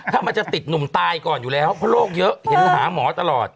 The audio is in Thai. ถ้ามันจะติดหนุ่มตายก่อนอยู่แล้วเพราะโรคเยอะเห็นหาหมอตลอด